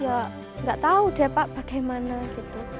ya nggak tahu deh pak bagaimana gitu